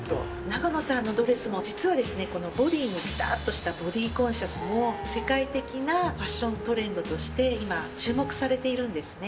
永野さんのドレスも、実は、このボディにぴたっとしたボディコンシャスも、世界的なファッショントレンドとして今、注目されているんですね。